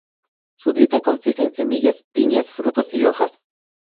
Su dieta consiste en semillas, piñas, frutos y hojas.